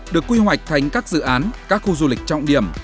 được quy hoạch thành các dự án các khu du lịch trọng điểm